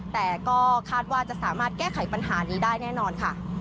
แต่ก็คาดว่าจะสามารถแก้ไขปัญหานี้ได้แน่นอนค่ะ